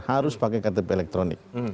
harus pakai iktp elektronik